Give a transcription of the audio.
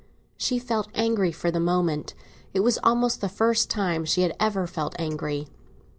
She felt angry for the moment; it was almost the first time she had ever felt angry.